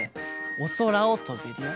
おそらをとべるよ。